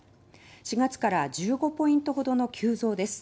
４月から１５ポイントほどの急増です。